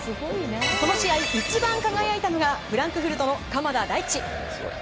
この試合、一番輝いたのがフランクフルトの鎌田大地。